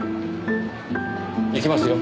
行きますよ。